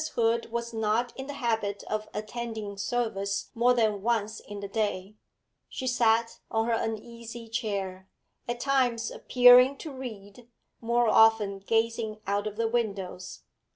Hood was not in the habit of attending service more than once in the day; she sat on her uneasy chair, at times appearing to read, more often gazing out of the windows.